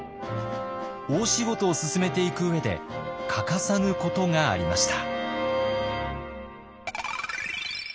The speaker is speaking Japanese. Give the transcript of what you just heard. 大仕事を進めていく上で欠かさぬことがありました。